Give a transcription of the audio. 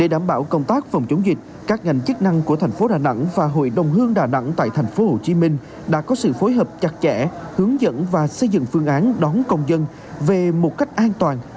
để đảm bảo công tác phòng chống dịch các ngành chức năng của thành phố đà nẵng và hội đồng hương đà nẵng tại tp hcm đã có sự phối hợp chặt chẽ hướng dẫn và xây dựng phương án đón công dân về một cách an toàn